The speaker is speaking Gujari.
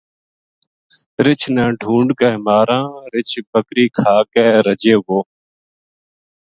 رچھ ناڈھُونڈ کے ماراں رچھ بکری کھا کے رجیو وو